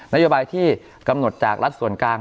นโยบายที่กำหนดจากรัฐส่วนกลาง